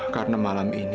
karena malam ini